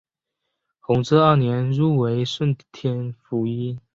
弘治二年入为顺天府尹。